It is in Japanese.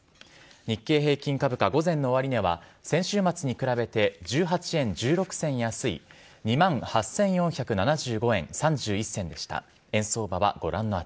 日経平均株価、午前の終値は、先週末に比べて１８円１６銭安い２万８４７５円３１銭でした。